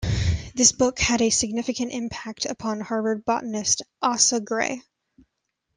This book had a significant impact upon Harvard botanist Asa Gray.